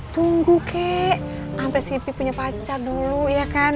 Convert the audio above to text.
tunggu kek sampai sipi punya pacar dulu ya kan